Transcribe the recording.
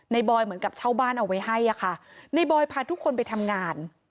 บอยเหมือนกับเช่าบ้านเอาไว้ให้อะค่ะในบอยพาทุกคนไปทำงาน